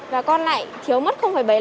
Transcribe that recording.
và con lại thiếu mất bảy mươi năm